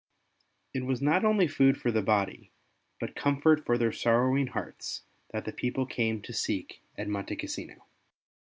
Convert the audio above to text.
It was not only food for the body but com fort for their sorrowing hearts that the people came to seek at Monte Cassino.